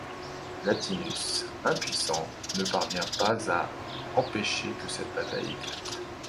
Latinus, impuissant, ne parvient pas à empêcher que cette bataille éclate.